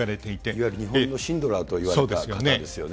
いわゆる日本のシンドラーとそうですよね。